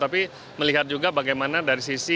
tapi melihat juga bagaimana dari sisi